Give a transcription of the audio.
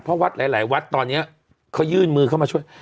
เพราะวัดหลายวัดตอนนี้เขายื่นมือเข้ามาช่วย